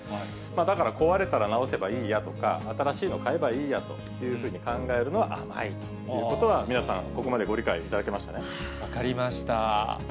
だから壊れた直せばいいやとか、新しいの買えばいいやというふうに考えるのは甘いということは、皆さん、分かりました。